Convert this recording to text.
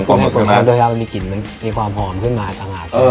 กลมน่าคุณมาด้วยครับมีกลิ่นมันมีความหอมขึ้นมาตั้งแต่